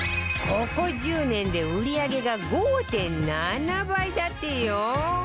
ここ１０年で売り上げが ５．７ 倍だってよ！